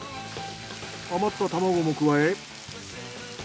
余った卵も加え。